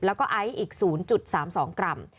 แล้วก็ไออีกศูนย์จุดสามสองกรัม